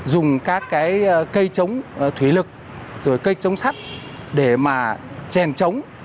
dùng các cái cây chống thủy lực rồi cây chống sắt để mà chèn chống